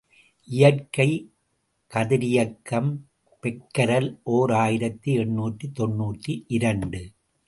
இயற்கைக் கதிரியக்கம் பெக்கரல் ஓர் ஆயிரத்து எண்ணூற்று தொன்னூற்றாறு இரண்டு.